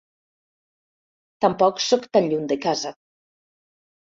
Tampoc soc tan lluny de casa.